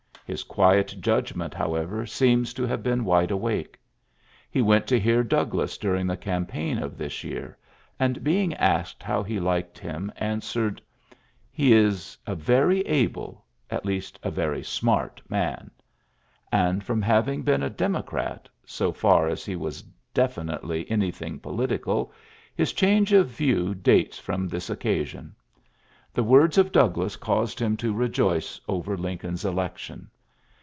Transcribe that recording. His quiet judgm< however, seems to have been wi awake. He went to hear Douglas 6 ing the campaign of this year, a being asked how he liked him, answei " He is a very able, at least a very sn man.'' And from having been a Dei crat — so fax as he was definitely a thing political — his change of v dates from this occasion. The wc ULYSSES S. GRANT 31 rf Douglas caused Mm to rejoice over iincoln's election.